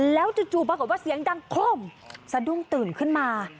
แล้วจู่ปรากฏว่าเสียงดังโครมสะดุ้งตื่นขึ้นมา